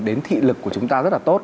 đến thị lực của chúng ta rất là tốt